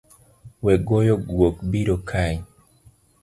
Wegoyo guok biro kayi